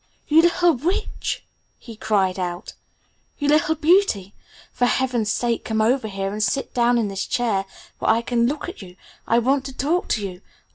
"You little witch!" he cried out. "You little beauty! For heaven's sake come over here and sit down in this chair where I can look at you! I want to talk to you!